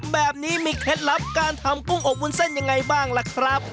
แบบนี้มีเคล็ดลับการทำกุ้งอบวุ้นเส้นยังไงบ้างล่ะครับ